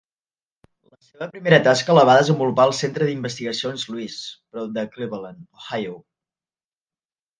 La seva primera tasca la va desenvolupar al Centre d'Investigacions Lewis, prop de Cleveland, Ohio.